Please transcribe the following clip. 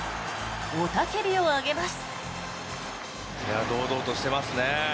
雄たけびを上げます。